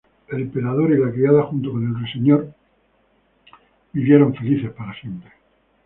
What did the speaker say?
El emperador y la criada, junto con el Ruiseñor vivieron felices para siempre.